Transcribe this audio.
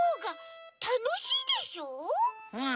うん。